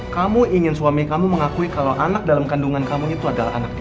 kamu ingin suami kamu mengakui kalau anak dalam kandungan kamu itu adalah anaknya